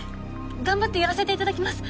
頑張ってやらせて頂きます。